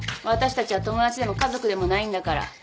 私たちは友達でも家族でもないんだから。